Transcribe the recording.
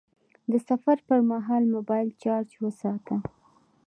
د سفر پر مهال موبایل چارج وساته..